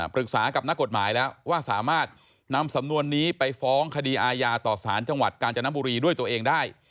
ปรึกษากับนักกฎหมายแล้วว่าสามารถนำสำนวนนี้ไปฟ้องคดีอาญาต่อสารจังหวัดกาญจนบุรีด้วยตัวเองได้